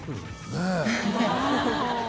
ねえ。